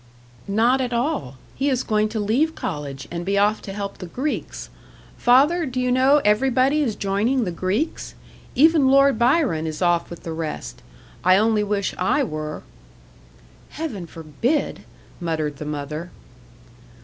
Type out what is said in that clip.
"Not at all. He is going to leave college, and be off to help the Greeks. Father, do you know everybody is joining the Greeks? Even Lord Byron is off with the rest. I only wish I were." "Heaven forbid!" muttered the mother.